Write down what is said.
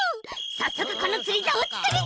さっそくこのつりざおつくるぞ！